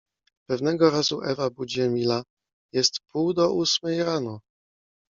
Pewnego razu Ewa budzi Emila: Jest pół do ósmej rano.